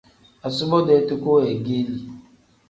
Asubo-dee toko weegeeli.